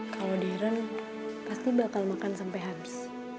kalau deren pasti bakal makan sampai habis